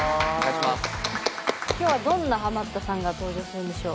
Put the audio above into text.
今日はどんなハマったさんが登場するんでしょう？